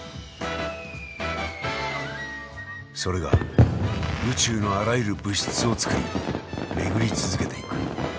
それが宇宙のあらゆる物質を作り巡り続けていく。